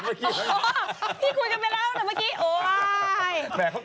พี่คุยกันไปแล้วเหรอครับ